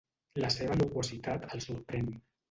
La seva loquacitat el sorprèn.